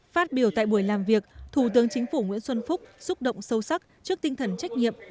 phát biểu tại buổi làm việc thủ tướng chính phủ nguyễn xuân phúc xúc động sâu sắc trước tinh thần trách nhiệm